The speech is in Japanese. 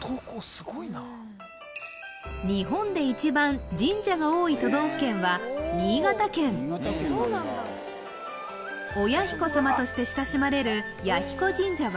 すごいな日本で一番神社が多い都道府県は新潟県「おやひこさま」として親しまれる彌彦神社は